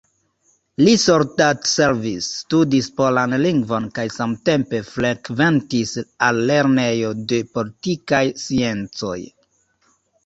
Li soldatservis, studis polan lingvon kaj samtempe frekventis al Lernejo de Politikaj Sciencoj.